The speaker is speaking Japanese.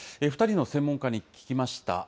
２人の専門家に聞きました。